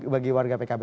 bagi warga pkb